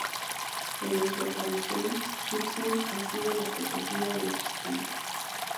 Desde su aparición, Gibson ha sido la protegida de Bristow.